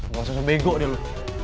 gak usah sebego deh lu